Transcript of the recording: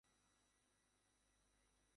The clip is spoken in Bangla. আমি জানি এটা সুন্দর জীবন, স্বাস্থ্যকর জীবন।